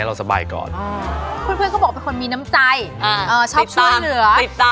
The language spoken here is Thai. ชอบช่วยเหลือ